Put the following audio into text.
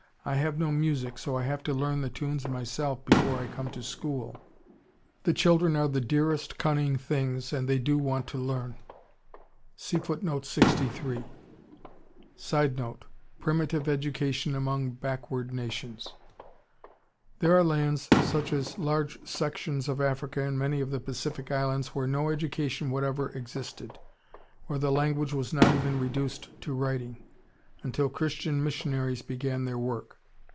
I have no music, so I have to learn the tunes myself before I come to school. The children are the dearest, cunning things and they do want to learn. [Sidenote: Primitive education among backward nations.] There are lands such as large sections of Africa and many of the Pacific Islands where no education whatever existed, where the language was not even reduced to writing, until Christian missionaries began their work.